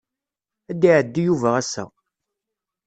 Ad d-iɛeddi Yuba ass-a.